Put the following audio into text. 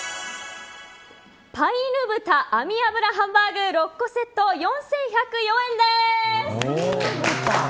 南ぬ豚網脂ハンバーグ６個セット４１０４円です。